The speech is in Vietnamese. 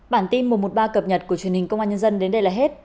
bản tin một trăm một mươi ba cập nhật của truyền hình công an nhân dân đến đây là hết